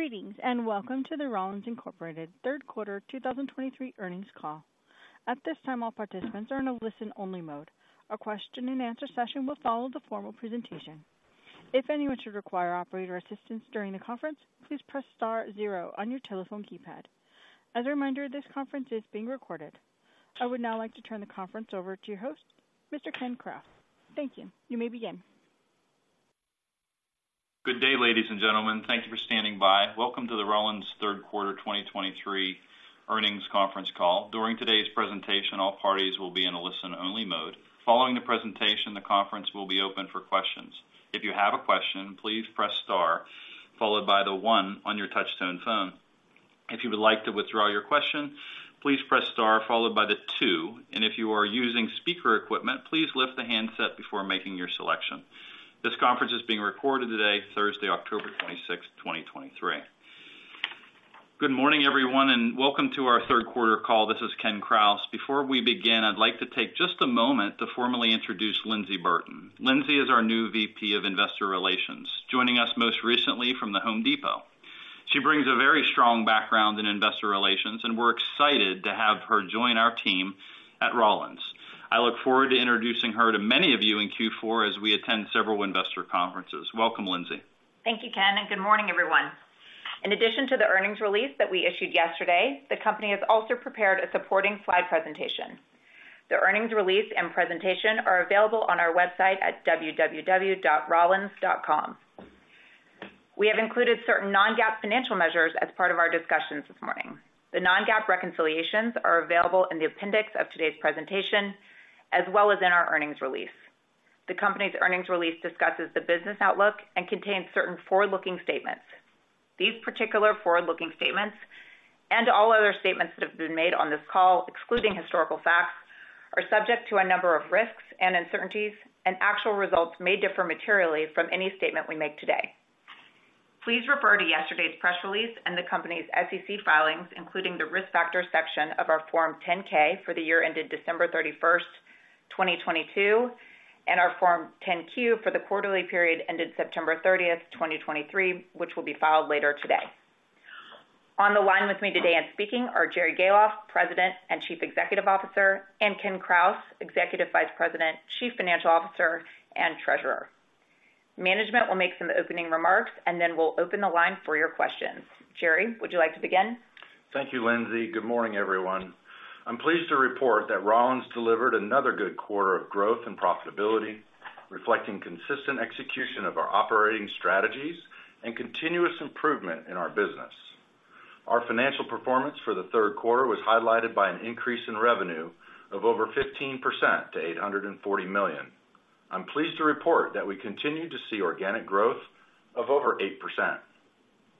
Greetings, and welcome to the Rollins Incorporated third quarter 2023 earnings call. At this time, all participants are in a listen-only mode. A question-and-answer session will follow the formal presentation. If anyone should require operator assistance during the conference, please press star zero on your telephone keypad. As a reminder, this conference is being recorded. I would now like to turn the conference over to your host, Mr. Ken Krause. Thank you. You may begin. Good day, ladies and gentlemen. Thank you for standing by. Welcome to the Rollins third quarter 2023 earnings conference call. During today's presentation, all parties will be in a listen-only mode. Following the presentation, the conference will be open for questions. If you have a question, please press star, followed by the one on your touchtone phone. If you would like to withdraw your question, please press star followed by the two, and if you are using speaker equipment, please lift the handset before making your selection. This conference is being recorded today, Thursday, October 26th, 2023. Good morning, everyone, and welcome to our third quarter call. This is Ken Krause. Before we begin, I'd like to take just a moment to formally introduce Lyndsey Burton. Lyndsey is our new VP of Investor Relations, joining us most recently from The Home Depot. She brings a very strong background in investor relations, and we're excited to have her join our team at Rollins. I look forward to introducing her to many of you in Q4 as we attend several investor conferences. Welcome, Lyndsey. Thank you, Ken, and good morning, everyone. In addition to the earnings release that we issued yesterday, the company has also prepared a supporting slide presentation. The earnings release and presentation are available on our website at www.rollins.com. We have included certain Non-GAAP financial measures as part of our discussions this morning. The Non-GAAP reconciliations are available in the appendix of today's presentation, as well as in our earnings release. The company's earnings release discusses the business outlook and contains certain forward-looking statements. These particular forward-looking statements, and all other statements that have been made on this call, excluding historical facts, are subject to a number of risks and uncertainties, and actual results may differ materially from any statement we make today. Please refer to yesterday's press release and the company's SEC filings, including the Risk Factors section of our Form 10-K for the year ended December 31, 2022, and our Form 10-Q for the quarterly period ended September 30th, 2023, which will be filed later today. On the line with me today and speaking are Jerry Gahlhoff, President and Chief Executive Officer, and Ken Krause, Executive Vice President, Chief Financial Officer, and Treasurer. Management will make some opening remarks, and then we'll open the line for your questions. Jerry, would you like to begin? Thank you, Lyndsey. Good morning, everyone. I'm pleased to report that Rollins delivered another good quarter of growth and profitability, reflecting consistent execution of our operating strategies and continuous improvement in our business. Our financial performance for the third quarter was highlighted by an increase in revenue of over 15% to $840 million. I'm pleased to report that we continue to see organic growth of over 8%.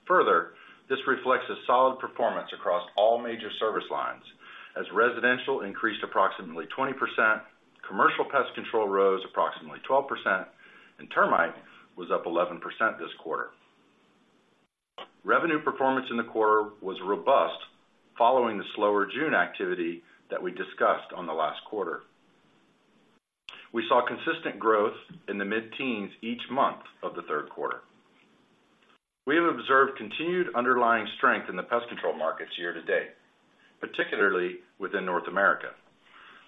Further, this reflects a solid performance across all major service lines, as residential increased approximately 20%, commercial pest control rose approximately 12%, and termite was up 11% this quarter. Revenue performance in the quarter was robust following the slower June activity that we discussed on the last quarter. We saw consistent growth in the mid-teens each month of the third quarter. We have observed continued underlying strength in the pest control markets year-to-date, particularly within North America.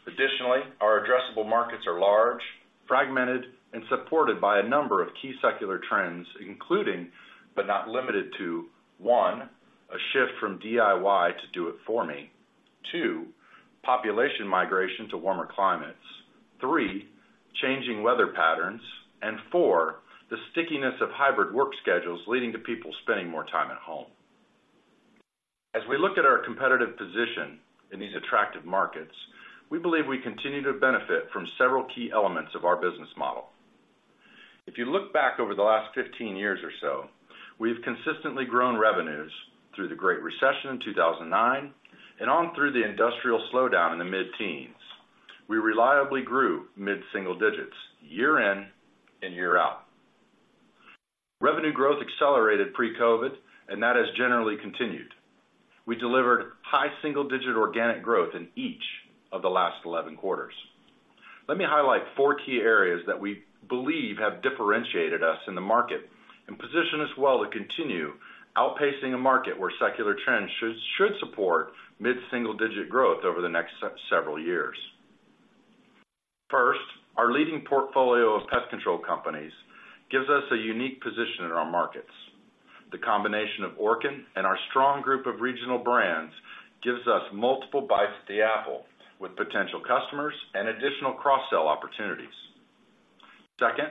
Additionally, our addressable markets are large, fragmented, and supported by a number of key secular trends, including, but not limited to: one, a shift from DIY to do it for me, two, population migration to warmer climates, three, changing weather patterns, and four, the stickiness of hybrid work schedules, leading to people spending more time at home. As we look at our competitive position in these attractive markets, we believe we continue to benefit from several key elements of our business model. If you look back over the last 15 years or so, we've consistently grown revenues through the Great Recession in 2009 and on through the industrial slowdown in the mid-teens. We reliably grew mid-single digits year in and year out. Revenue growth accelerated pre-COVID, and that has generally continued. We delivered high single-digit organic growth in each of the last 11 quarters. Let me highlight four key areas that we believe have differentiated us in the market and position us well to continue outpacing a market where secular trends should support mid-single-digit growth over the next several years. First, our leading portfolio of pest control companies gives us a unique position in our markets. The combination of Orkin and our strong group of regional brands gives us multiple bites at the apple with potential customers and additional cross-sell opportunities. Second,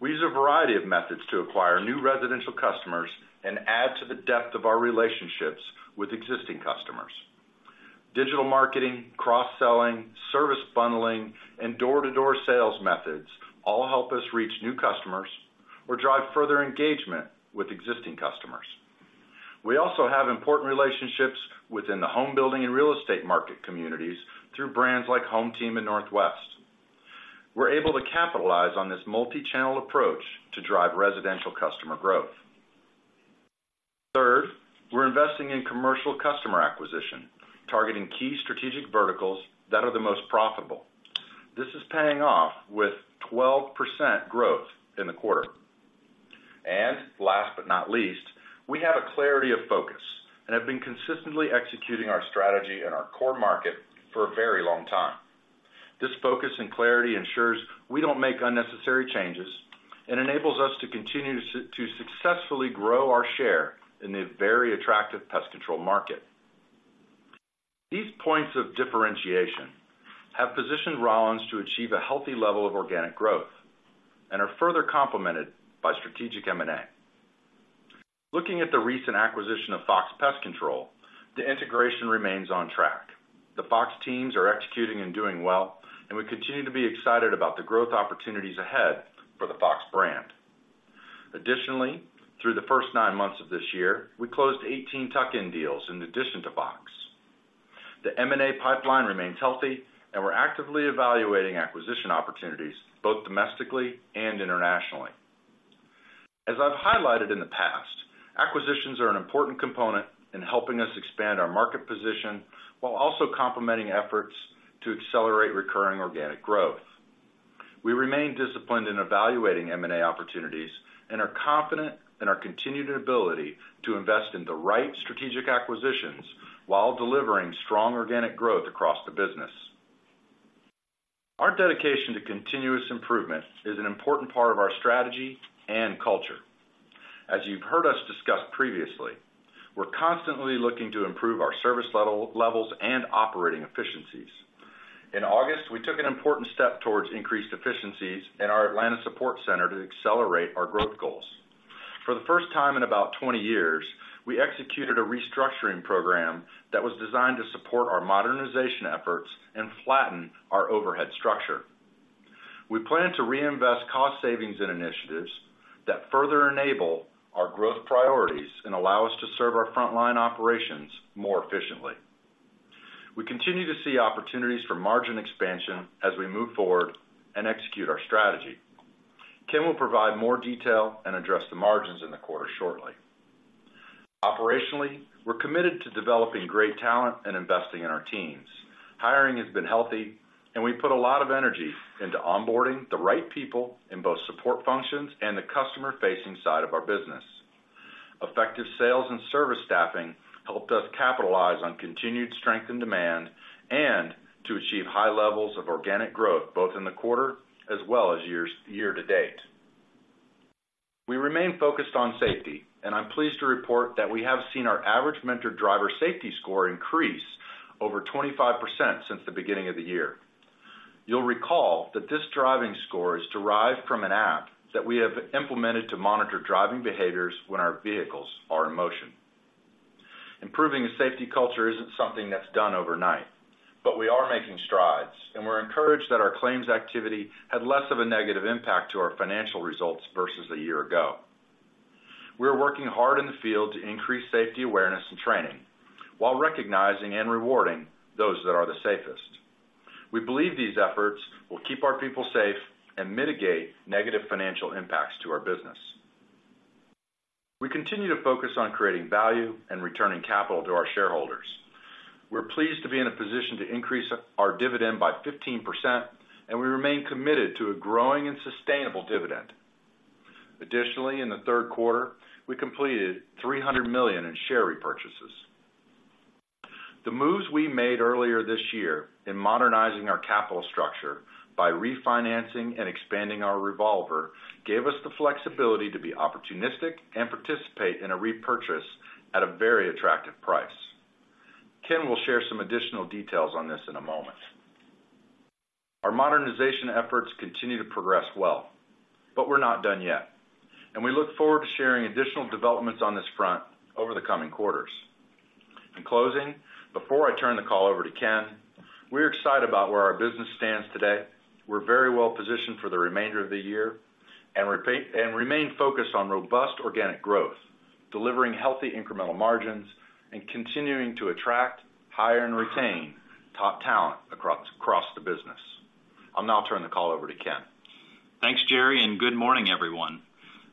we use a variety of methods to acquire new residential customers and add to the depth of our relationships with existing customers. Digital marketing, cross-selling, service bundling, and door-to-door sales methods all help us reach new customers or drive further engagement with existing customers. We also have important relationships within the home building and real estate market communities through brands like HomeTeam and Northwest. We're able to capitalize on this multi-channel approach to drive residential customer growth. Third, we're investing in commercial customer acquisition, targeting key strategic verticals that are the most profitable. This is paying off with 12% growth in the quarter. And last but not least, we have a clarity of focus and have been consistently executing our strategy in our core market for a very long time. This focus and clarity ensures we don't make unnecessary changes and enables us to continue to to successfully grow our share in the very attractive pest control market. These points of differentiation have positioned Rollins to achieve a healthy level of organic growth and are further complemented by strategic M&A. Looking at the recent acquisition of Fox Pest Control, the integration remains on track. The Fox teams are executing and doing well, and we continue to be excited about the growth opportunities ahead for the Fox brand. Additionally, through the first nine months of this year, we closed 18 tuck-in deals in addition to Fox. The M&A pipeline remains healthy, and we're actively evaluating acquisition opportunities, both domestically and internationally. As I've highlighted in the past, acquisitions are an important component in helping us expand our market position, while also complementing efforts to accelerate recurring organic growth. We remain disciplined in evaluating M&A opportunities and are confident in our continued ability to invest in the right strategic acquisitions while delivering strong organic growth across the business. Our dedication to continuous improvement is an important part of our strategy and culture. As you've heard us discuss previously, we're constantly looking to improve our service level, levels and operating efficiencies. In August, we took an important step towards increased efficiencies in our Atlanta Support Center to accelerate our growth goals. For the first time in about 20 years, we executed a restructuring program that was designed to support our modernization efforts and flatten our overhead structure. We plan to reinvest cost savings and initiatives that further enable our growth priorities and allow us to serve our frontline operations more efficiently. We continue to see opportunities for margin expansion as we move forward and execute our strategy. Ken will provide more detail and address the margins in the quarter shortly. Operationally, we're committed to developing great talent and investing in our teams. Hiring has been healthy, and we put a lot of energy into onboarding the right people in both support functions and the customer-facing side of our business. Effective sales and service staffing helped us capitalize on continued strength and demand, and to achieve high levels of organic growth, both in the quarter as well as year to date. We remain focused on safety, and I'm pleased to report that we have seen our average mentor driver safety score increase over 25% since the beginning of the year. You'll recall that this driving score is derived from an app that we have implemented to monitor driving behaviors when our vehicles are in motion. Improving a safety culture isn't something that's done overnight, but we are making strides, and we're encouraged that our claims activity had less of a negative impact to our financial results versus a year ago. We're working hard in the field to increase safety awareness and training, while recognizing and rewarding those that are the safest. We believe these efforts will keep our people safe and mitigate negative financial impacts to our business. We continue to focus on creating value and returning capital to our shareholders. We're pleased to be in a position to increase our dividend by 15%, and we remain committed to a growing and sustainable dividend. Additionally, in the third quarter, we completed $300 million in share repurchases. The moves we made earlier this year in modernizing our capital structure by refinancing and expanding our revolver, gave us the flexibility to be opportunistic and participate in a repurchase at a very attractive price. Ken will share some additional details on this in a moment. Our modernization efforts continue to progress well, but we're not done yet, and we look forward to sharing additional developments on this front over the coming quarters. In closing, before I turn the call over to Ken, we're excited about where our business stands today. We're very well positioned for the remainder of the year and remain focused on robust organic growth, delivering healthy incremental margins, and continuing to attract, hire, and retain top talent across the business. I'll now turn the call over to Ken. Thanks, Jerry, and good morning, everyone.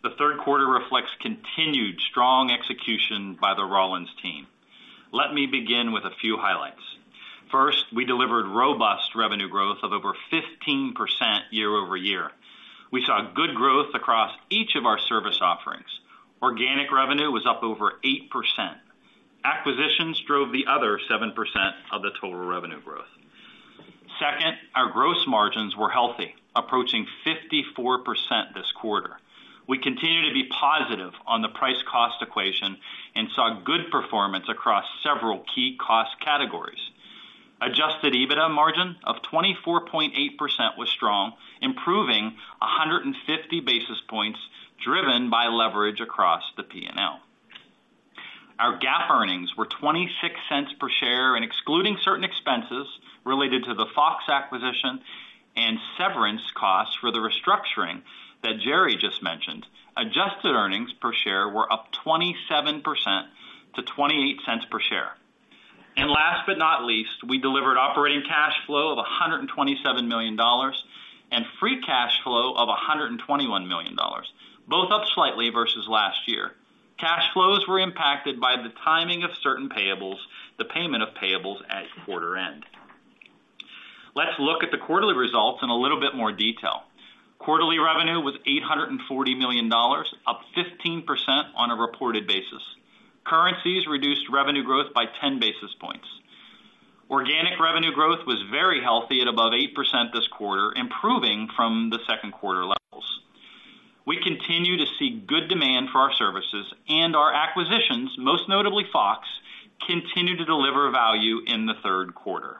The third quarter reflects continued strong execution by the Rollins team. Let me begin with a few highlights. First, we delivered robust revenue growth of over 15% year-over-year. We saw good growth across each of our service offerings. Organic revenue was up over 8%. Acquisitions drove the other 7% of the total revenue growth. Second, our gross margins were healthy, approaching 54% this quarter. We continue to be positive on the price-cost equation and saw good performance across several key cost categories. Adjusted EBITDA margin of 24.8% was strong, improving 150 basis points, driven by leverage across the P&L. Our GAAP earnings were $0.26 per share, and excluding certain expenses related to the Fox acquisition and severance costs for the restructuring that Jerry just mentioned, adjusted earnings per share were up 27% to $0.28 per share. And last but not least, we delivered operating cash flow of $127 million. And free cash flow of $121 million, both up slightly versus last year. Cash flows were impacted by the timing of certain payables, the payment of payables at quarter end. Let's look at the quarterly results in a little bit more detail. Quarterly revenue was $840 million, up 15% on a reported basis. Currencies reduced revenue growth by 10 basis points. Organic revenue growth was very healthy at above 8% this quarter, improving from the second quarter levels. We continue to see good demand for our services and our acquisitions, most notably Fox, continue to deliver value in the third quarter.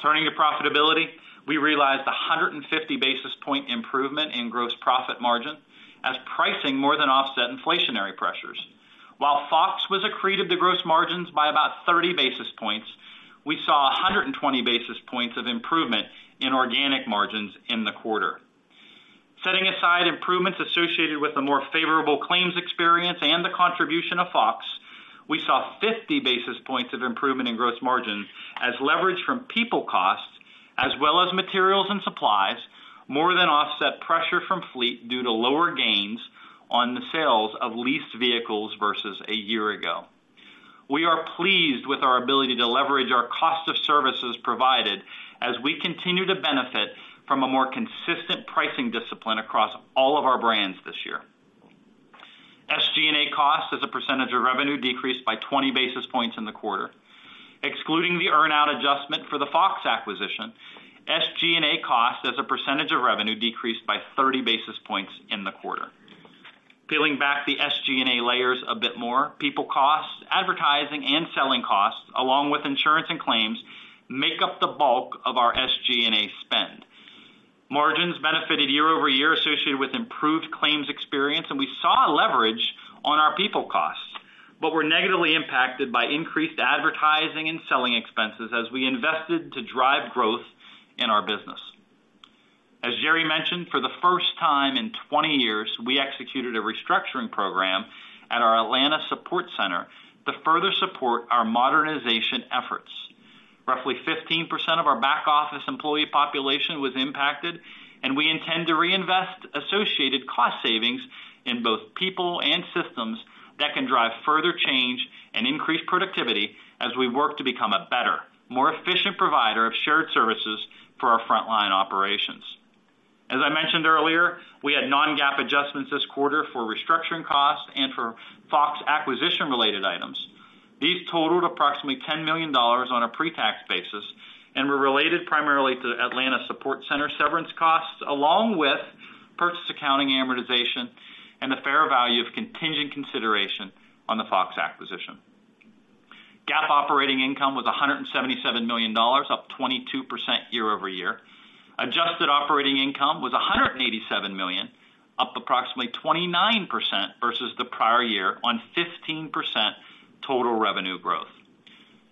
Turning to profitability, we realized a 150 basis points improvement in gross profit margin as pricing more than offset inflationary pressures. While Fox was accretive to gross margins by about 30 basis points, we saw a 120 basis points of improvement in organic margins in the quarter. Setting aside improvements associated with a more favorable claims experience and the contribution of Fox, we saw 50 basis points of improvement in gross margin as leverage from people costs, as well as materials and supplies, more than offset pressure from fleet due to lower gains on the sales of leased vehicles versus a year ago. We are pleased with our ability to leverage our cost of services provided as we continue to benefit from a more consistent pricing discipline across all of our brands this year. SG&A costs as a percentage of revenue decreased by 20 basis points in the quarter. Excluding the earn-out adjustment for the Fox acquisition, SG&A costs as a percentage of revenue decreased by 30 basis points in the quarter. Peeling back the SG&A layers a bit more, people costs, advertising and selling costs, along with insurance and claims, make up the bulk of our SG&A spend. Margins benefited year-over-year associated with improved claims experience, and we saw a leverage on our people costs, but were negatively impacted by increased advertising and selling expenses as we invested to drive growth in our business. As Jerry mentioned, for the first time in 20 years, we executed a restructuring program at our Atlanta Support Center to further support our modernization efforts. Roughly 15% of our back office employee population was impacted, and we intend to reinvest associated cost savings in both people and systems that can drive further change and increase productivity as we work to become a better, more efficient provider of shared services for our frontline operations. As I mentioned earlier, we had non-GAAP adjustments this quarter for restructuring costs and for Fox acquisition related items. These totaled approximately $10 million on a pre-tax basis and were related primarily to the Atlanta Support Center severance costs, along with purchase accounting amortization and the fair value of contingent consideration on the Fox acquisition. GAAP operating income was $177 million, up 22% year-over-year. Adjusted operating income was $187 million, up approximately 29% versus the prior year on 15% total revenue growth.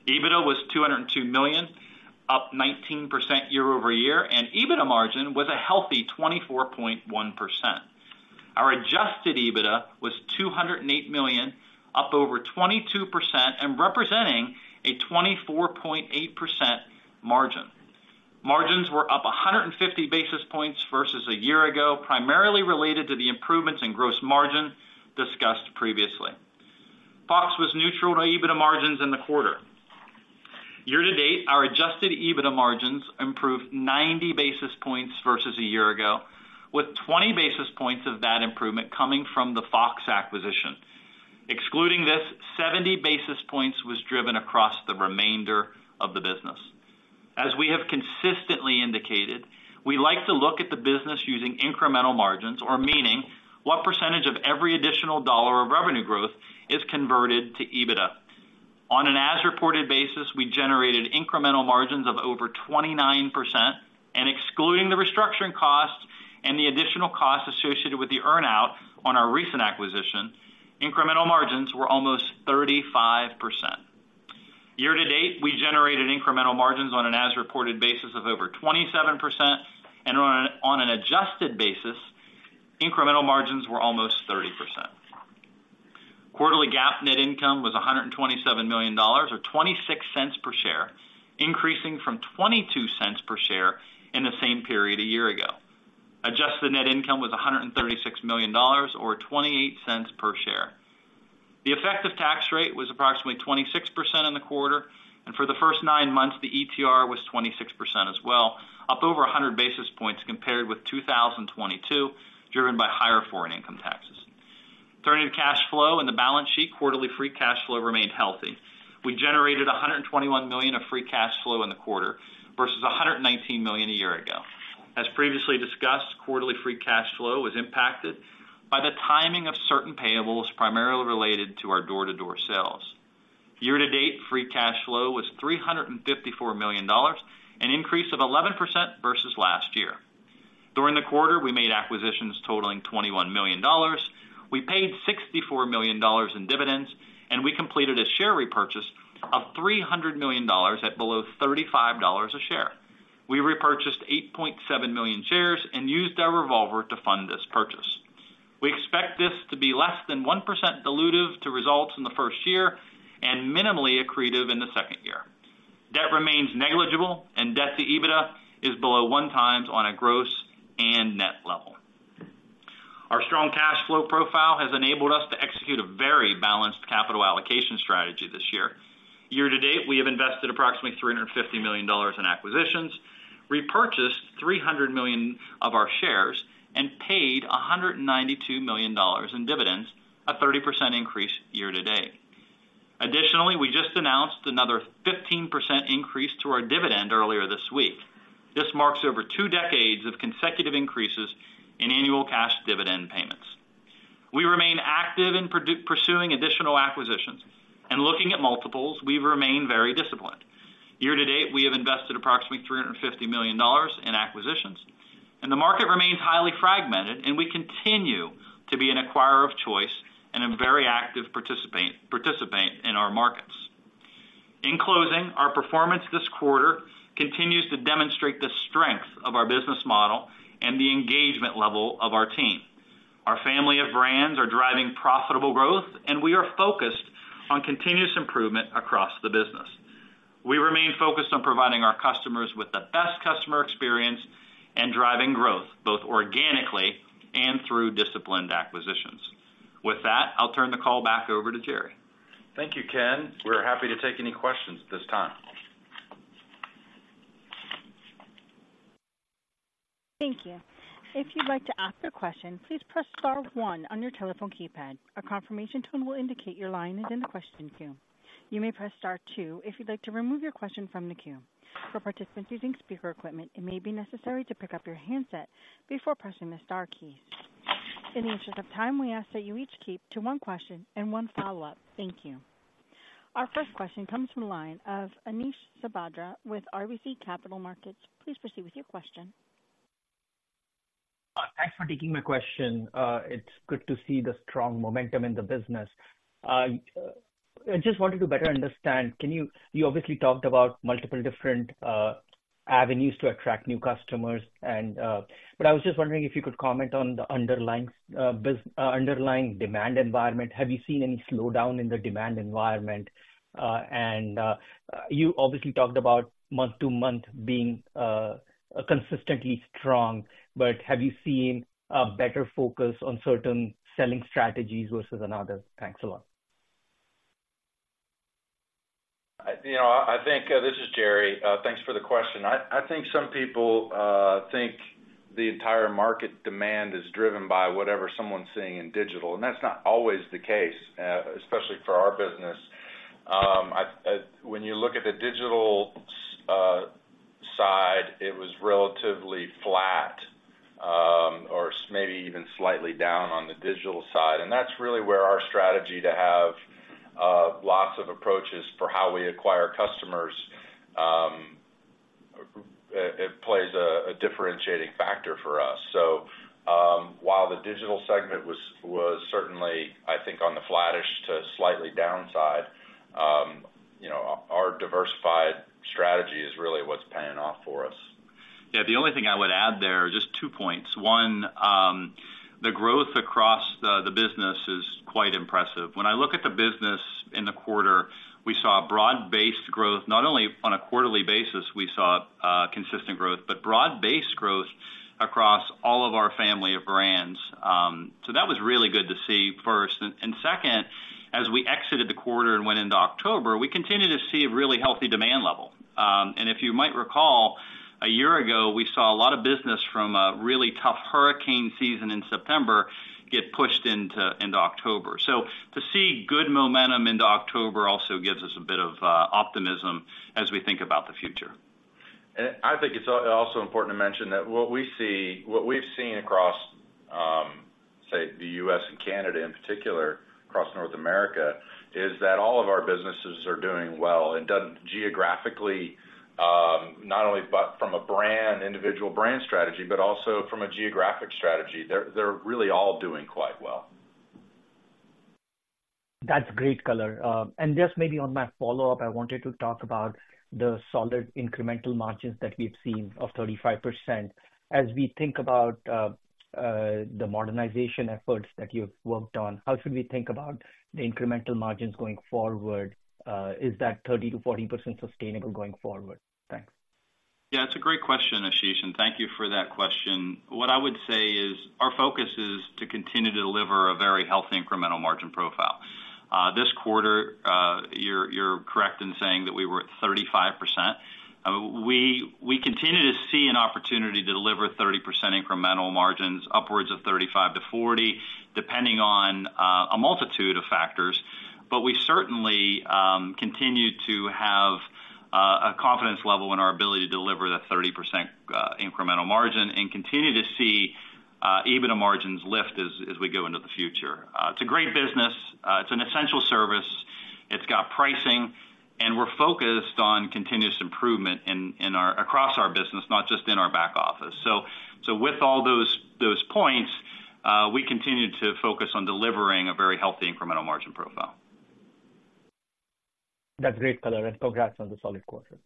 EBITDA was $202 million, up 19% year-over-year, and EBITDA margin was a healthy 24.1%. Our adjusted EBITDA was $208 million, up over 22% and representing a 24.8% margin. Margins were up 150 basis points versus a year ago, primarily related to the improvements in gross margin discussed previously. Fox was neutral to EBITDA margins in the quarter. Year to date, our adjusted EBITDA margins improved 90 basis points versus a year ago, with 20 basis points of that improvement coming from the Fox acquisition. Excluding this, 70 basis points was driven across the remainder of the business. As we have consistently indicated, we like to look at the business using incremental margins, or, meaning what percentage of every additional dollar of revenue growth is converted to EBITDA. On an as reported basis, we generated incremental margins of over 29%, and excluding the restructuring costs and the additional costs associated with the earn-out on our recent acquisition, incremental margins were almost 35%. Year to date, we generated incremental margins on an as reported basis of over 27%, and on an adjusted basis, incremental margins were almost 30%. Quarterly GAAP net income was $127 million, or $0.26 per share, increasing from $0.22 per share in the same period a year ago. Adjusted net income was $136 million, or $0.28 per share. The effective tax rate was approximately 26% in the quarter, and for the first nine months, the ETR was 26% as well, up over 100 basis points compared with 2022, driven by higher foreign income taxes. Turning to cash flow and the balance sheet, quarterly free cash flow remained healthy. We generated $121 million of free cash flow in the quarter versus $119 million a year ago. As previously discussed, quarterly free cash flow was impacted by the timing of certain payables, primarily related to our door-to-door sales. Year to date, free cash flow was $354 million, an increase of 11% versus last year. During the quarter, we made acquisitions totaling $21 million, we paid $64 million in dividends, and we completed a share repurchase of $300 million at below $35 a share. We repurchased 8.7 million shares and used our revolver to fund this purchase. We expect this to be less than 1% dilutive to results in the first year. And minimally accretive in the second year. Debt remains negligible, and debt to EBITDA is below 1x on a gross and net level. Our strong cash flow profile has enabled us to execute a very balanced capital allocation strategy this year. Year to date, we have invested approximately $350 million in acquisitions, repurchased 300 million of our shares, and paid $192 million in dividends, a 30% increase year to date. Additionally, we just announced another 15% increase to our dividend earlier this week. This marks over two decades of consecutive increases in annual cash dividend payments. We remain active in pursuing additional acquisitions, and looking at multiples, we remain very disciplined. Year to date, we have invested approximately $350 million in acquisitions, and the market remains highly fragmented, and we continue to be an acquirer of choice and a very active participant in our markets. In closing, our performance this quarter continues to demonstrate the strength of our business model and the engagement level of our team. Our family of brands are driving profitable growth, and we are focused on continuous improvement across the business. We remain focused on providing our customers with the best customer experience and driving growth, both organically and through disciplined acquisitions. With that, I'll turn the call back over to Jerry. Thank you, Ken. We're happy to take any questions at this time. Thank you. If you'd like to ask a question, please press star one on your telephone keypad. A confirmation tone will indicate your line is in the question queue. You may press star two if you'd like to remove your question from the queue. For participants using speaker equipment, it may be necessary to pick up your handset before pressing the star key. In the interest of time, we ask that you each keep to one question and one follow-up. Thank you. Our first question comes from the line of Ashish Sabadra with RBC Capital Markets. Please proceed with your question. Thanks for taking my question. It's good to see the strong momentum in the business. I just wanted to better understand. You obviously talked about multiple different avenues to attract new customers, and but I was just wondering if you could comment on the underlying demand environment. Have you seen any slowdown in the demand environment? You obviously talked about month-to-month being consistently strong, but have you seen a better focus on certain selling strategies versus another? Thanks a lot. I, you know, I think, this is Jerry. Thanks for the question. I, I think some people, think the entire market demand is driven by whatever someone's seeing in digital, and that's not always the case, especially for our business. I, when you look at the digital, side, it was relatively flat, or maybe even slightly down on the digital side. And that's really where our strategy to have, lots of approaches for how we acquire customers, it plays a, a differentiating factor for us. So, while the digital segment was, was certainly, I think, on the flattish to slightly downside, you know, our diversified strategy is really what's paying off for us. Yeah, the only thing I would add there, just two points. One, the growth across the business is quite impressive. When I look at the business in the quarter, we saw a broad-based growth, not only on a quarterly basis, we saw consistent growth, but broad-based growth across all of our family of brands. So that was really good to see first. And second, as we exited the quarter and went into October, we continued to see a really healthy demand level. And if you might recall, a year ago, we saw a lot of business from a really tough hurricane season in September get pushed into October. So to see good momentum into October also gives us a bit of optimism as we think about the future. I think it's also important to mention that what we've seen across, say, the U.S. and Canada, in particular, across North America, is that all of our businesses are doing well, and done geographically, not only but from a brand, individual brand strategy, but also from a geographic strategy. They're really all doing quite well. That's great color. And just maybe on my follow-up, I wanted to talk about the solid incremental margins that we've seen of 35%. As we think about the modernization efforts that you've worked on, how should we think about the incremental margins going forward? Is that 30%-40% sustainable going forward? Thanks. Yeah, it's a great question, Ashish, and thank you for that question. What I would say is, our focus is to continue to deliver a very healthy incremental margin profile. This quarter, you're correct in saying that we were at 35%. We continue to see an opportunity to deliver 30% incremental margins, upwards of 35%-40%, depending on a multitude of factors. But we certainly continue to have a confidence level in our ability to deliver the 30% incremental margin and continue to see EBITDA margins lift as we go into the future. It's a great business, it's an essential service, it's got pricing, and we're focused on continuous improvement across our business, not just in our back office. So with all those points, we continue to focus on delivering a very healthy incremental margin profile. That's great color, and congrats on the solid quarter.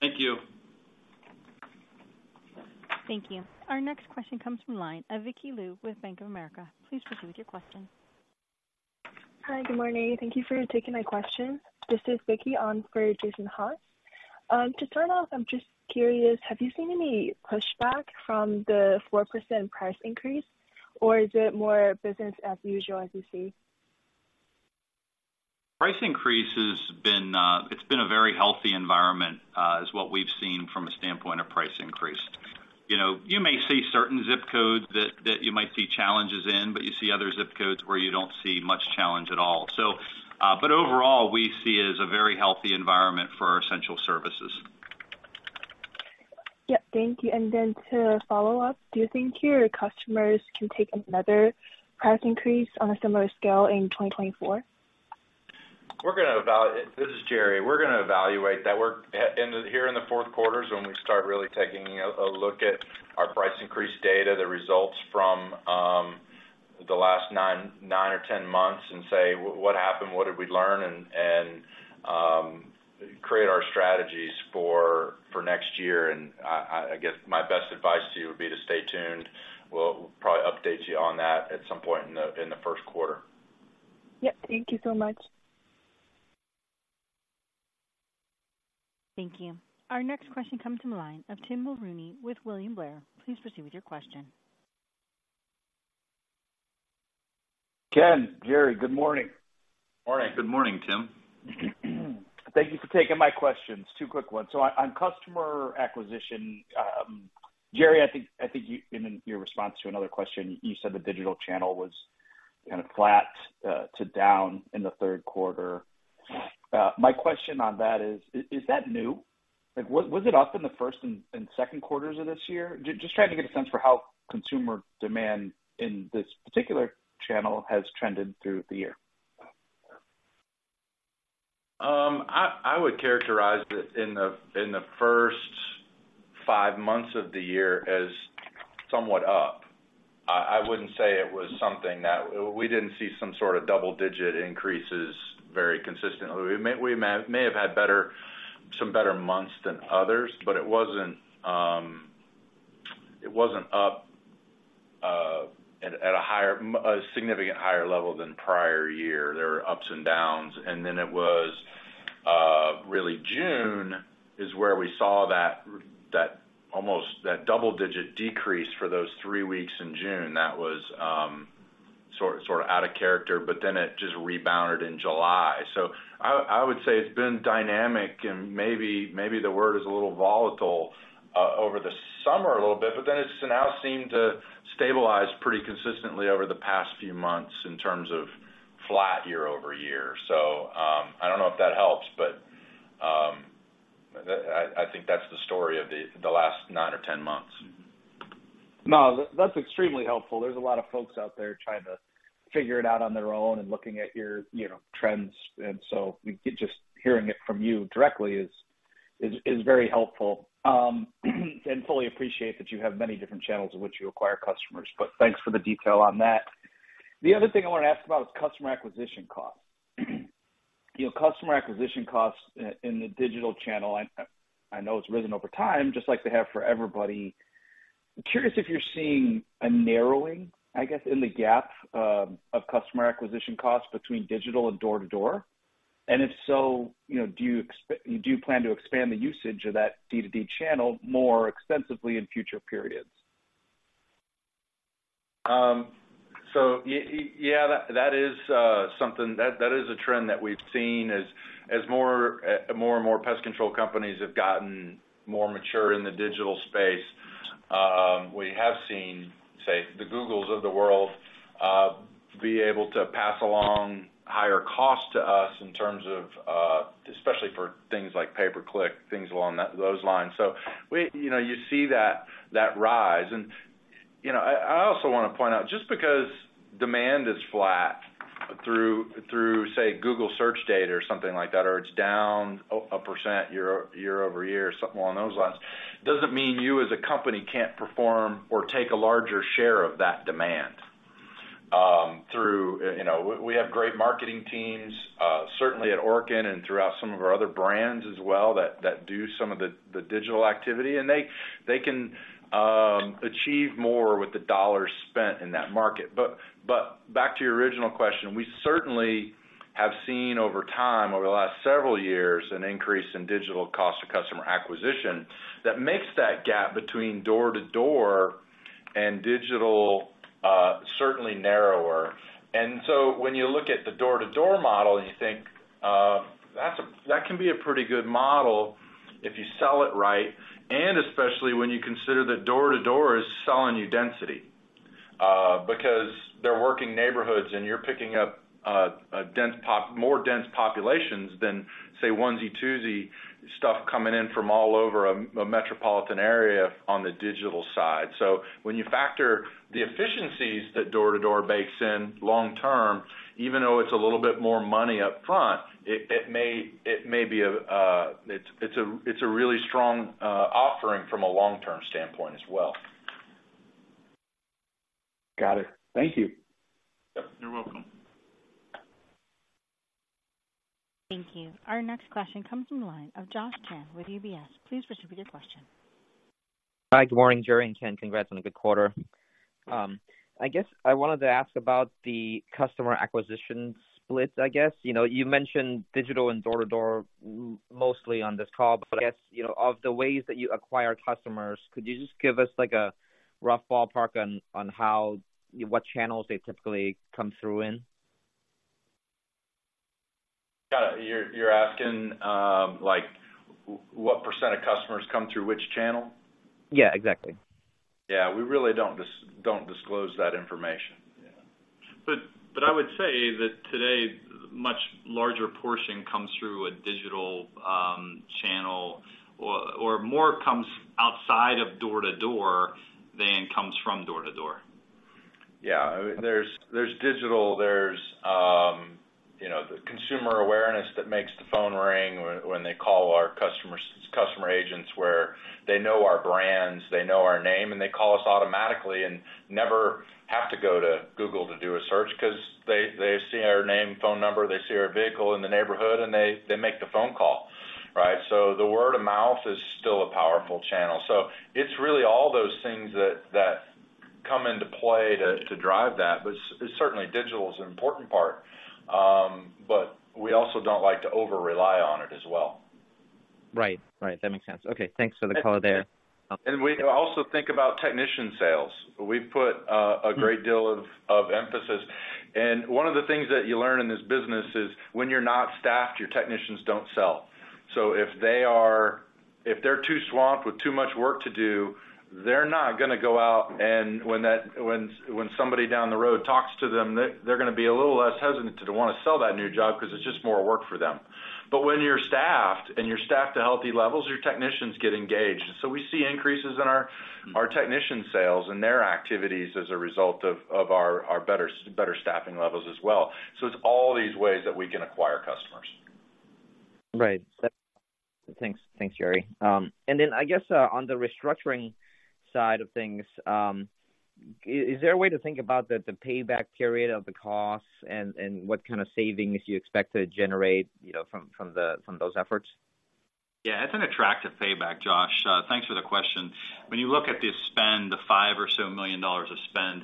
Thank you. Thank you. Our next question comes from the line of Vicky Liu with Bank of America. Please proceed with your question. Hi, good morning. Thank you for taking my question. This is Vicky on for Jason Haas. To start off, I'm just curious, have you seen any pushback from the 4% price increase, or is it more business as usual, as you see? Price increase has been, it's been a very healthy environment, is what we've seen from a standpoint of price increase. You know, you may see certain zip codes that you might see challenges in, but you see other zip codes where you don't see much challenge at all. So, but overall, we see it as a very healthy environment for our essential services. Yep, thank you. And then to follow up, do you think your customers can take another price increase on a similar scale in 2024? This is Jerry. We're gonna evaluate that. We're in the fourth quarter is when we start really taking a look at our price increase data, the results from the last nine or 10 months and say, "What happened? What did we learn?" And create our strategies for next year. And I guess my best advice to you would be to stay tuned. We'll probably update you on that at some point in the first quarter. Yep. Thank you so much. Thank you. Our next question comes from the line of Tim Mulrooney with William Blair. Please proceed with your question. Ken, Jerry, good morning. Morning. Good morning, Tim. Thank you for taking my questions. Two quick ones. So on customer acquisition, Jerry, I think you, in your response to another question, said the digital channel was kind of flat to down in the third quarter. My question on that is, is that new? Like, was it up in the first and second quarters of this year? Just trying to get a sense for how consumer demand in this particular channel has trended through the year. I would characterize it in the first five months of the year as somewhat up. I wouldn't say it was something that. We didn't see some sort of double-digit increases very consistently. We may have had some better months than others, but it wasn't up at a higher, a significant higher level than prior year. There were ups and downs, and then it was really June is where we saw that almost double-digit decrease for those three weeks in June. That was sort of out of character, but then it just rebounded in July. So I would say it's been dynamic and maybe the word is a little volatile over the summer, a little bit, but then it's now seemed to stabilize pretty consistently over the past few months in terms of flat year-over-year. So, I don't know if that helps, but, I think that's the story of the last nine or 10 months. No, that's extremely helpful. There's a lot of folks out there trying to figure it out on their own and looking at your, you know, trends, and so just hearing it from you directly is very helpful. And fully appreciate that you have many different channels in which you acquire customers, but thanks for the detail on that. The other thing I want to ask about is customer acquisition costs. You know, customer acquisition costs in the digital channel, I know it's risen over time, just like they have for everybody. I'm curious if you're seeing a narrowing, I guess, in the gap of customer acquisition costs between digital and door-to-door? And if so, you know, do you plan to expand the usage of that D2D channel more extensively in future periods? So yeah, that is something that is a trend that we've seen as more and more pest control companies have gotten more mature in the digital space. We have seen, say, the Googles of the world be able to pass along higher costs to us in terms of, especially for things like pay-per-click, things along those lines. So we you know, you see that rise. And you know, I also want to point out, just because demand is flat through, say, Google Search data or something like that, or it's down a percent year-over-year, something along those lines, doesn't mean you, as a company, can't perform or take a larger share of that demand. Through, you know, we have great marketing teams certainly at Orkin and throughout some of our other brands as well, that do some of the digital activity, and they can achieve more with the dollars spent in that market. But back to your original question, we certainly have seen over time, over the last several years, an increase in digital cost of customer acquisition that makes that gap between door-to-door and digital certainly narrower. And so when you look at the door-to-door model and you think, that's that can be a pretty good model if you sell it right, and especially when you consider that door-to-door is selling you density. Because they're working neighborhoods and you're picking up a dense, more dense populations than, say, onesie-twosie stuff coming in from all over a metropolitan area on the digital side. So when you factor the efficiencies that door-to-door bakes in long term, even though it's a little bit more money up front, it may be a. It's a really strong offering from a long-term standpoint as well. Got it. Thank you. Yep, you're welcome. Thank you. Our next question comes from the line of Josh Chan with UBS. Please proceed with your question. Hi, good morning, Jerry and Ken. Congrats on a good quarter. I guess I wanted to ask about the customer acquisition split, I guess. You know, you mentioned digital and door-to-door mostly on this call, but I guess, you know, of the ways that you acquire customers, could you just give us, like, a rough ballpark on how what channels they typically come through in? Got it. You're asking, like, what percent of customers come through which channel? Yeah, exactly. Yeah, we really don't disclose that information. Yeah. But I would say that today, much larger portion comes through a digital channel or more comes outside of door-to-door than comes from door-to-door. Yeah, I mean, there's digital, you know, the consumer awareness that makes the phone ring when they call our customer agents, where they know our brands, they know our name, and they call us automatically and never have to go to Google to do a search because they see our name, phone number, they see our vehicle in the neighborhood, and they make the phone call, right? So the word of mouth is still a powerful channel. So it's really all those things that come into play to drive that. But certainly, digital is an important part, but we also don't like to over rely on it as well. Right. Right, that makes sense. Okay, thanks for the color there. We also think about technician sales. We've put a great deal of emphasis. And one of the things that you learn in this business is, when you're not staffed, your technicians don't sell. So if they're too swamped with too much work to do, they're not gonna go out, and when somebody down the road talks to them, they're gonna be a little less hesitant to want to sell that new job because it's just more work for them. But when you're staffed, and you're staffed to healthy levels, your technicians get engaged. So we see increases in our technician sales and their activities as a result of our better staffing levels as well. So it's all these ways that we can acquire customers. Right. Thanks. Thanks, Jerry. And then I guess on the restructuring side of things, is there a way to think about the payback period of the costs and what kind of savings you expect to generate, you know, from those efforts? Yeah, it's an attractive payback, Josh. Thanks for the question. When you look at the spend, the $5 or so million of spend,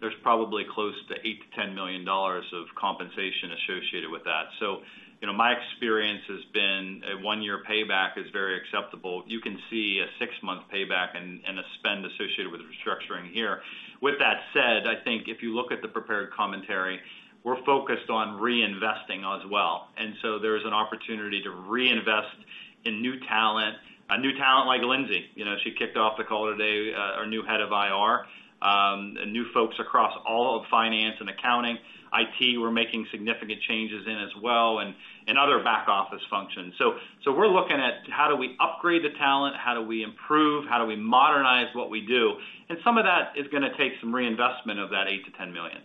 there's probably close to $8-$10 million of compensation associated with that. So, you know, my experience has been a one-year payback is very acceptable. You can see a six-month payback and a spend associated with the restructuring here. With that said, I think if you look at the prepared commentary, we're focused on reinvesting as well, and so there is an opportunity to reinvest in new talent, a new talent like Lyndsey. You know, she kicked off the call today, our new head of IR, and new folks across all of finance and accounting. IT, we're making significant changes in as well, and other back office functions. So we're looking at how do we upgrade the talent? How do we improve? How do we modernize what we do? And some of that is gonna take some reinvestment of that $8 million-$10 million.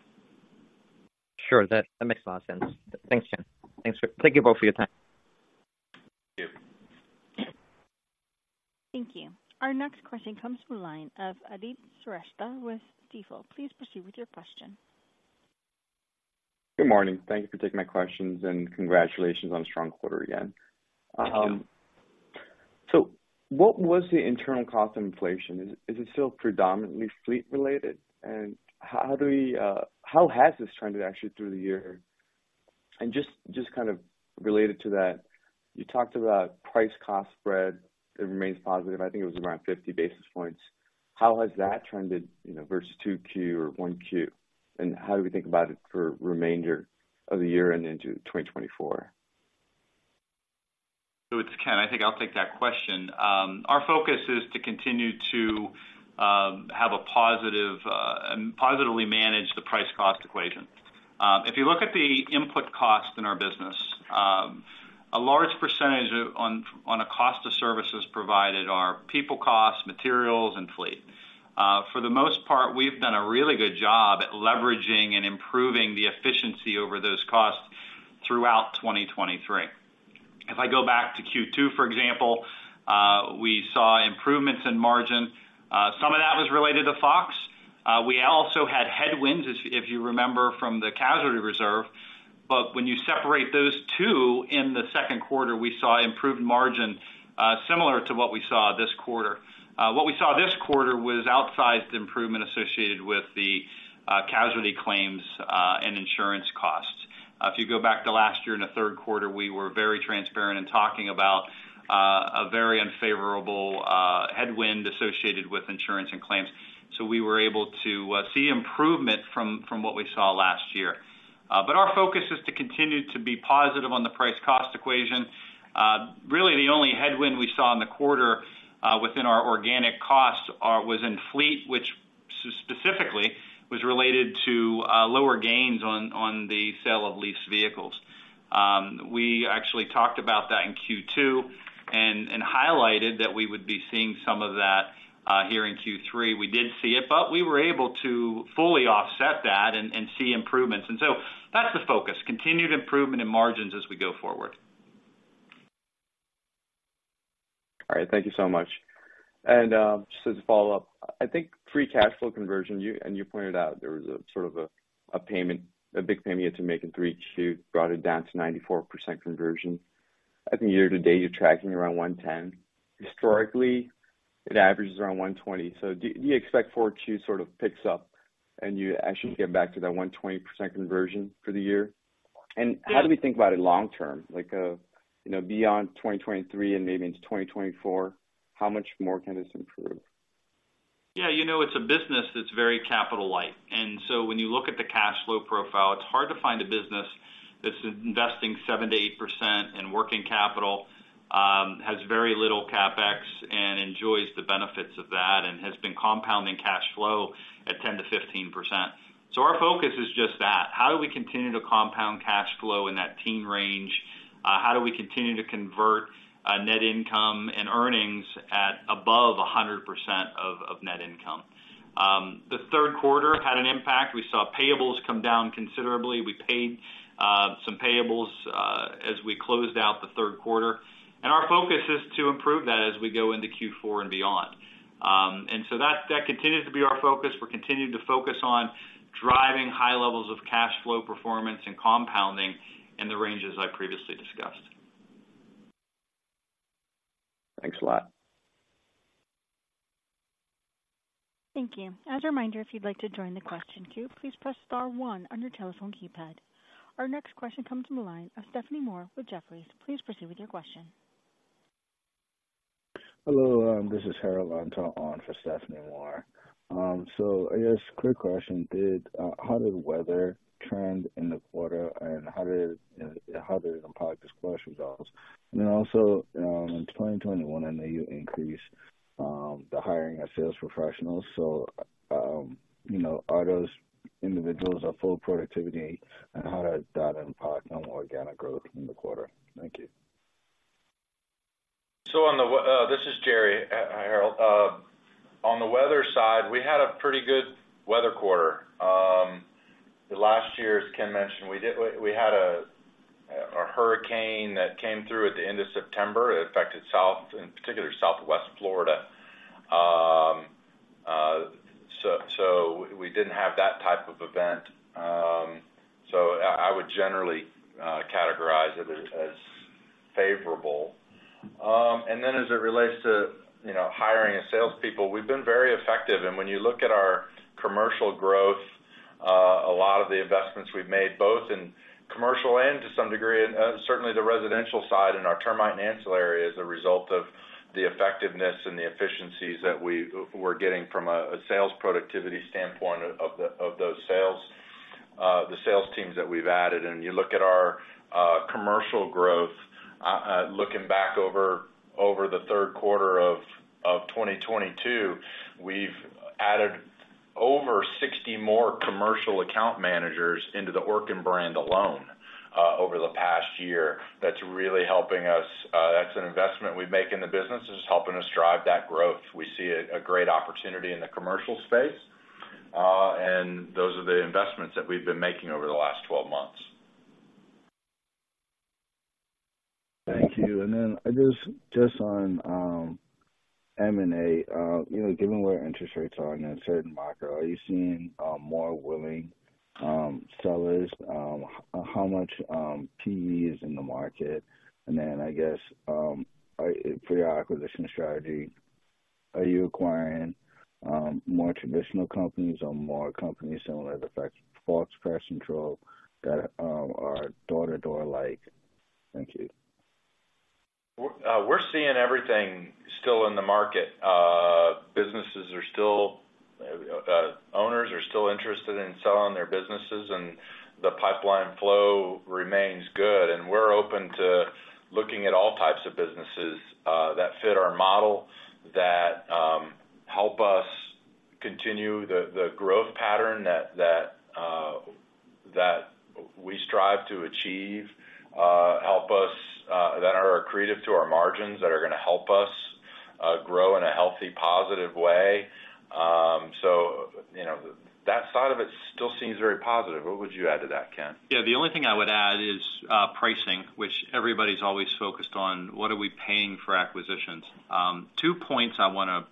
Sure, that makes a lot of sense. Thanks, Ken. Thanks. Thank you both for your time. Thank you. Thank you. Our next question comes from the line of Aadit Shrestha with Stifel. Please proceed with your question. Good morning. Thank you for taking my questions, and congratulations on a strong quarter again. So what was the internal cost inflation? Is it still predominantly fleet-related? And how has this trended actually through the year? And just kind of related to that, you talked about price cost spread. It remains positive. I think it was around 50 basis points. How has that trended, you know, versus 2Q or 1Q? And how do we think about it for remainder of the year and into 2024? So it's Ken. I think I'll take that question. Our focus is to continue to have a positive and positively manage the price cost equation. If you look at the input costs in our business, a large percentage of a cost of services provided are people costs, materials, and fleet. For the most part, we've done a really good job at leveraging and improving the efficiency over those costs throughout 2023. If I go back to Q2, for example, we saw improvements in margin. Some of that was related to FOX. We also had headwinds, if you remember, from the casualty reserve. But when you separate those two, in the second quarter, we saw improved margin, similar to what we saw this quarter. What we saw this quarter was outsized improvement associated with the casualty claims and insurance costs. If you go back to last year in the third quarter, we were very transparent in talking about a very unfavorable headwind associated with insurance and claims. So we were able to see improvement from what we saw last year. But our focus is to continue to be positive on the price cost equation. Really, the only headwind we saw in the quarter within our organic costs was in fleet, which specifically was related to lower gains on the sale of leased vehicles. We actually talked about that in Q2 and highlighted that we would be seeing some of that here in Q3. We did see it, but we were able to fully offset that and see improvements. And so that's the focus, continued improvement in margins as we go forward. All right, thank you so much. And, just as a follow-up, I think free cash flow conversion, you-- and you pointed out there was a sort of a payment, a big payment you had to make in Q3, brought it down to 94% conversion. I think year to date, you're tracking around 110%. Historically, it averages around 120%. So do you expect Q4 sort of picks up, and you actually get back to that 120% conversion for the year? And how do we think about it long term, like, you know, beyond 2023 and maybe into 2024, how much more can this improve? Yeah, you know, it's a business that's very capital light. And so when you look at the cash flow profile, it's hard to find a business that's investing 7%-8% in working capital, has very little CapEx and enjoys the benefits of that, and has been compounding cash flow at 10%-15%. So our focus is just that. How do we continue to compound cash flow in that teen range? How do we continue to convert net income and earnings at above 100% of net income? The third quarter had an impact. We saw payables come down considerably. We paid some payables as we closed out the third quarter, and our focus is to improve that as we go into Q4 and beyond. And so that continues to be our focus. We're continuing to focus on driving high levels of cash flow performance and compounding in the ranges I previously discussed. Thanks a lot. Thank you. As a reminder, if you'd like to join the question queue, please press star one on your telephone keypad. Our next question comes from the line of Stephanie Moore with Jefferies. Please proceed with your question. Hello, this is Harold Antor on for Stephanie Moore. So, I guess quick question, how did weather trend in the quarter, and how did it impact disclosure results? And then also, in 2021, I know you increased the hiring of sales professionals. So, you know, are those individuals at full productivity, and how did that impact on organic growth in the quarter? Thank you. This is Jerry, Harold. On the weather side, we had a pretty good weather quarter. The last year, as Ken mentioned, we had a hurricane that came through at the end of September. It affected South, in particular, Southwest Florida. So we didn't have that type of event. So I would generally categorize it as favorable. And then as it relates to, you know, hiring of salespeople, we've been very effective. And when you look at our commercial growth, a lot of the investments we've made, both in commercial and to some degree, certainly the residential side and our termite and ancillary, is a result of the effectiveness and the efficiencies that we're getting from a sales productivity standpoint of those sales, the sales teams that we've added. And you look at our commercial growth, looking back over the third quarter of 2022, we've added over 60 more commercial account managers into the Orkin brand alone, over the past year. That's really helping us. That's an investment we make in the business, and it's helping us drive that growth. We see a great opportunity in the commercial space, and those are the investments that we've been making over the last 12 months. Thank you. And then just on M&A, you know, given where interest rates are in a certain market, are you seeing more willing sellers? How much PE is in the market? And then I guess for your acquisition strategy, are you acquiring more traditional companies or more companies similar to the Fox Pest Control that are door-to-door like? Thank you. We're seeing everything still in the market. Businesses are still, owners are still interested in selling their businesses, and the pipeline flow remains good. And we're open to looking at all types of businesses that fit our model, that help us continue the growth pattern that we strive to achieve, help us that are accretive to our margins, that are gonna help us grow in a healthy, positive way. So, you know, that side of it still seems very positive. What would you add to that, Ken? Yeah, the only thing I would add is pricing, which everybody's always focused on. What are we paying for acquisitions? Two points I wanna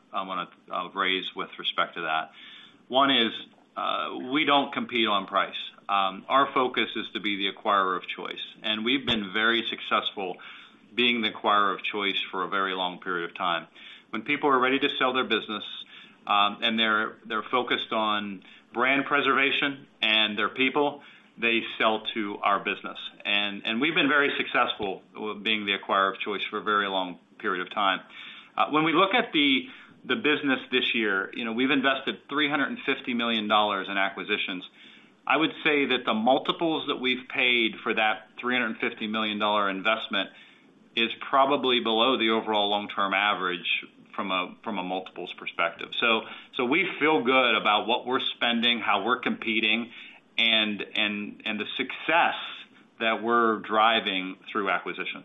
raise with respect to that. One is, we don't compete on price. Our focus is to be the acquirer of choice, and we've been very successful being the acquirer of choice for a very long period of time. When people are ready to sell their business, and they're focused on brand preservation and their people, they sell to our business. We've been very successful with being the acquirer of choice for a very long period of time. When we look at the business this year, you know, we've invested $350 million in acquisitions. I would say that the multiples that we've paid for that $350 million dollar investment is probably below the overall long-term average from a multiples perspective. We feel good about what we're spending, how we're competing, and the success that we're driving through acquisition.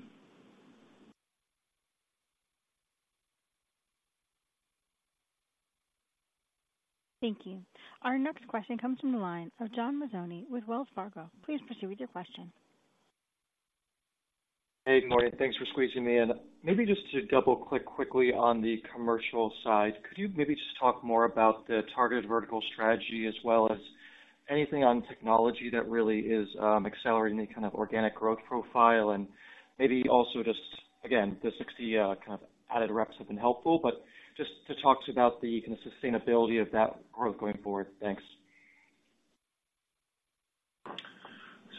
Thank you. Our next question comes from the line of John Mazzoni with Wells Fargo. Please proceed with your question. Hey, good morning. Thanks for squeezing me in. Maybe just to double-click quickly on the commercial side, could you maybe just talk more about the targeted vertical strategy as well as anything on technology that really is accelerating the kind of organic growth profile? And maybe also just, again, the 60 kind of added reps have been helpful, but just to talk to about the kind of sustainability of that growth going forward. Thanks.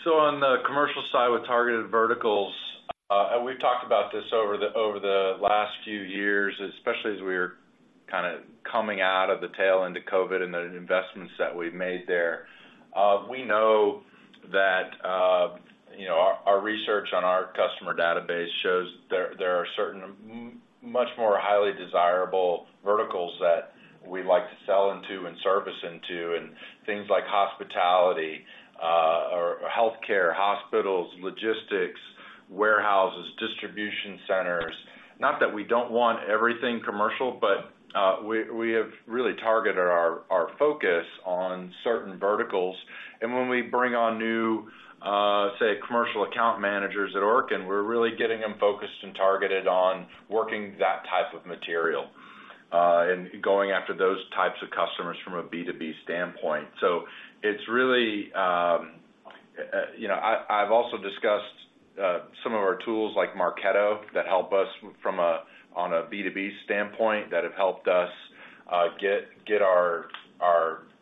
So on the commercial side, with targeted verticals, we've talked about this over the last few years, especially as we are kind of coming out of the tail end of COVID and the investments that we've made there. We know that, you know, our research on our customer database shows there are certain much more highly desirable verticals that we like to sell into and service into, and things like hospitality, or healthcare, hospitals, logistics, warehouses, distribution centers. Not that we don't want everything commercial, but we have really targeted our focus on certain verticals. When we bring on new, say, commercial account managers at Orkin, we're really getting them focused and targeted on working that type of material, and going after those types of customers from a B2B standpoint. It's really, you know. I've also discussed some of our tools, like Marketo, that help us from a-- on a B2B standpoint, that have helped us get our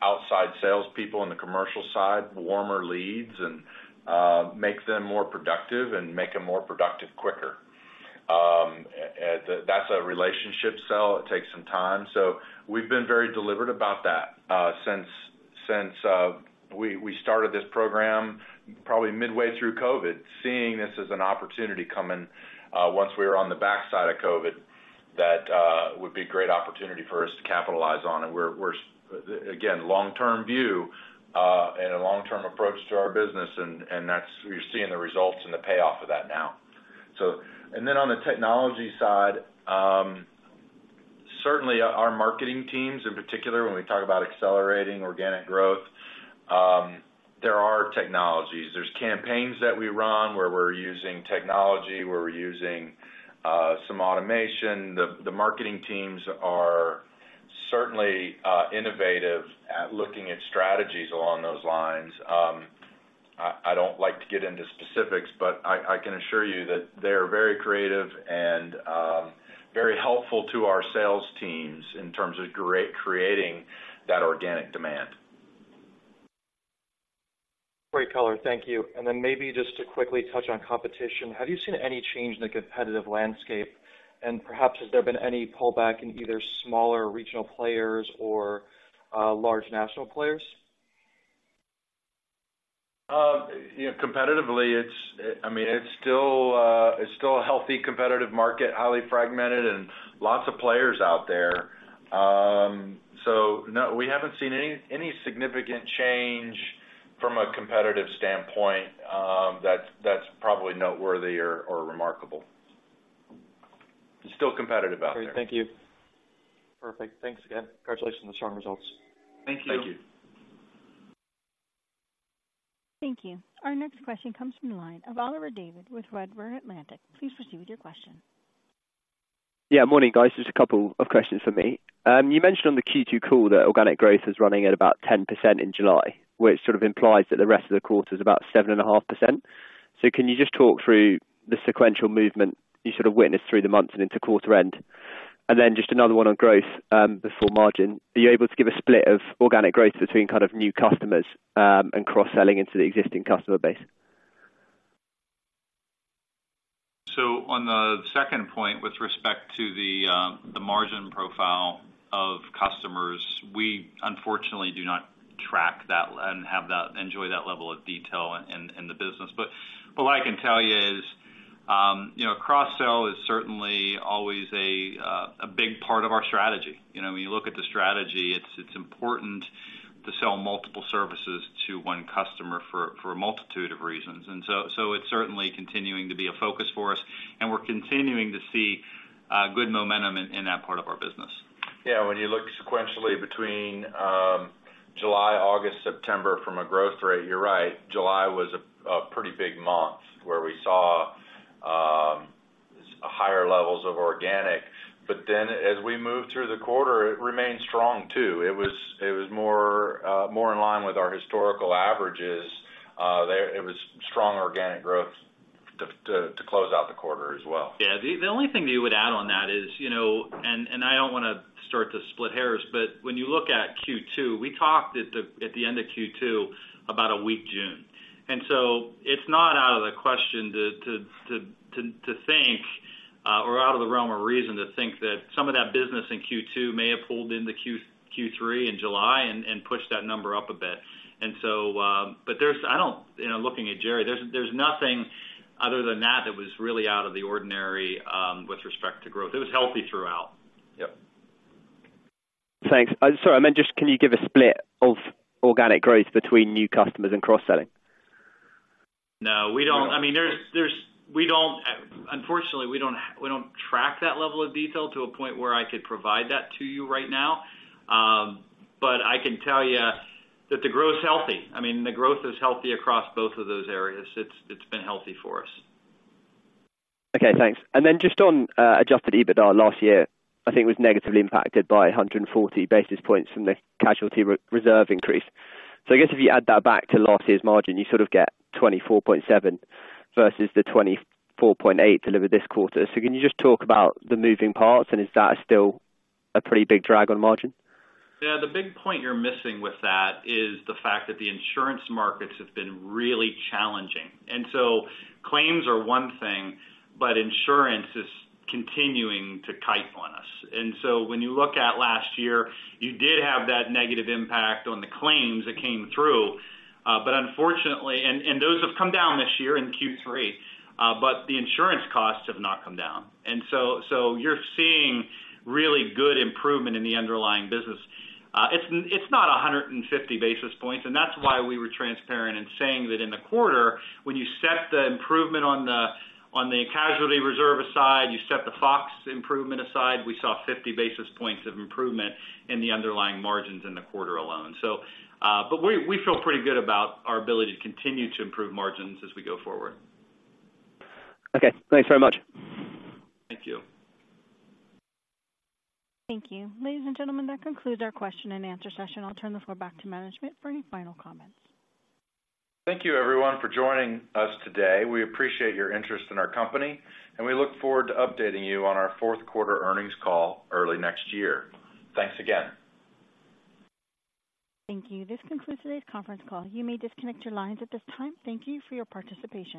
outside salespeople on the commercial side, warmer leads and make them more productive and make them more productive quicker. That's a relationship sell. It takes some time. We've been very deliberate about that since we started this program, probably midway through COVID, seeing this as an opportunity coming, once we were on the backside of COVID, that would be a great opportunity for us to capitalize on it. We're, again, long-term view and a long-term approach to our business, and that's-- we're seeing the results and the payoff of that now. And then on the technology side, certainly our marketing teams in particular, when we talk about accelerating organic growth, there are technologies. There's campaigns that we run, where we're using technology, where we're using some automation. The marketing teams are certainly innovative at looking at strategies along those lines. I don't like to get into specifics, but I can assure you that they are very creative and very helpful to our sales teams in terms of creating that organic demand. Great color. Thank you. And then maybe just to quickly touch on competition. Have you seen any change in the competitive landscape? And perhaps, has there been any pullback in either smaller regional players or, large national players? You know, competitively, it's, I mean, it's still a healthy, competitive market, highly fragmented, and lots of players out there. So no, we haven't seen any significant change from a competitive standpoint, that's probably noteworthy or remarkable. It's still competitive out there. Great. Thank you. Perfect. Thanks again. Congratulations on the strong results. Thank you. Thank you. Thank you. Our next question comes from the line of Oliver Davies with Redburn Atlantic. Please proceed with your question. Yeah, morning, guys. Just a couple of questions for me. You mentioned on the Q2 call that organic growth is running at about 10% in July, which sort of implies that the rest of the quarter is about 7.5%. So can you just talk through the sequential movement you sort of witnessed through the months and into quarter end? And then just another one on growth, before margin. Are you able to give a split of organic growth between kind of new customers, and cross-selling into the existing customer base? So on the second point, with respect to the margin profile of customers, we unfortunately do not track that and have that enjoy that level of detail in the business. But what I can tell you is, you know, cross-sell is certainly always a big part of our strategy. You know, when you look at the strategy, it's important to sell multiple services to one customer for a multitude of reasons. And so it's certainly continuing to be a focus for us, and we're continuing to see good momentum in that part of our business. Yeah, when you look sequentially between July, August, September, from a growth rate, you're right, July was a pretty big month, where we saw higher levels of organic. But then as we moved through the quarter, it remained strong too. It was more in line with our historical averages. It was strong organic growth to close out the quarter as well. Yeah, the only thing that you would add on that is, you know, and I don't want to start to split hairs, but when you look at Q2, we talked at the end of Q2 about a weak June. And so it's not out of the question to think or out of the realm of reason, to think that some of that business in Q2 may have pulled into Q3 in July and pushed that number up a bit. And so, but there's. I don't. You know, looking at Jerry, there's nothing other than that that was really out of the ordinary with respect to growth. It was healthy throughout. Yep. Thanks. Sorry, I meant just, can you give a split of organic growth between new customers and cross-selling? No, we don't. I mean, there's, we don't, unfortunately, we don't track that level of detail to a point where I could provide that to you right now. But I can tell you that the growth is healthy. I mean, the growth is healthy across both of those areas. It's been healthy for us. Okay, thanks. And then just on adjusted EBITDA last year, I think it was negatively impacted by 140 basis points from the casualty re-reserve increase. So I guess if you add that back to last year's margin, you sort of get 24.7 versus the 24.8 delivered this quarter. So can you just talk about the moving parts, and is that still a pretty big drag on margin? Yeah, the big point you're missing with that is the fact that the insurance markets have been really challenging, and so claims are one thing, but insurance is continuing to bite on us. And so when you look at last year, you did have that negative impact on the claims that came through, but unfortunately, and those have come down this year in Q3, but the insurance costs have not come down. And so, so you're seeing really good improvement in the underlying business. It's not 150 basis points, and that's why we were transparent in saying that in the quarter, when you set the improvement on the casualty reserve aside, you set the Fox improvement aside, we saw 50 basis points of improvement in the underlying margins in the quarter alone. But we feel pretty good about our ability to continue to improve margins as we go forward. Okay, thanks very much. Thank you. Thank you. Ladies and gentlemen, that concludes our question-and-answer session. I'll turn the floor back to management for any final comments. Thank you, everyone, for joining us today. We appreciate your interest in our company, and we look forward to updating you on our fourth quarter earnings call early next year. Thanks again. Thank you. This concludes today's conference call. You may disconnect your lines at this time. Thank you for your participation.